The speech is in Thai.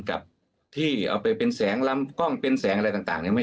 กับที่เอาไปเป็นแสงลำกล้องเป็นแสงอะไรต่างเนี่ย